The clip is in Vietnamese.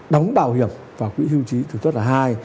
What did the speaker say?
đóng bảo hiểm và quỹ hưu trí là hai